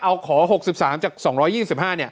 เอาขอ๖๓จาก๒๒๕เนี่ย